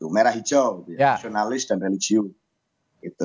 merah hijau rasionalis dan religius